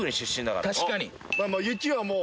確かに。